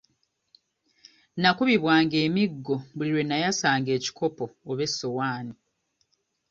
Nakubibwanga emiggo buli lwe nayasanga ekikopo oba essowaani.